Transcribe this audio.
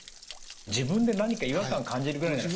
自分で何か違和感感じるぐらいならすぐっていう。